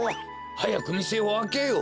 はやくみせをあけよう！